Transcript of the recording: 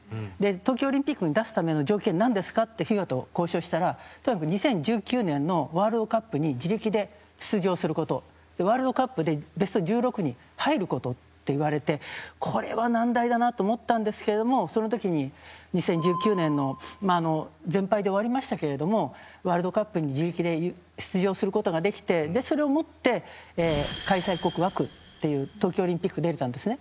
東京オリンピックに出すための条件何ですかとＦＩＢＡと交渉したら２０１９年のワールドカップに自力で出場することワールドカップでベスト１６に入ることと言われてこれは難題だなと思ったんですけれどもその時に２０１９年の全敗で終わりましたけれどもワールドカップに自力で出場することができてそれをもって開催国枠っていう東京オリンピックに出れたんですね。